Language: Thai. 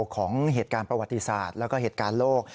ของเหตุการณ์ประวัติศาสตร์แล้วก็เหตุการณ์โลก